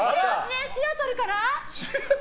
シアトルから？